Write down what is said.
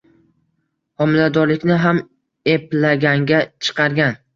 Homiladorlikni ham eplaganga chiqargan